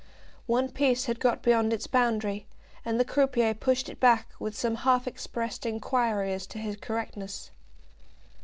One piece had got beyond its boundary, and the croupier pushed it back with some half expressed inquiry as to his correctness.